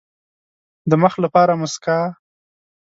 د مخ لپاره موسکا.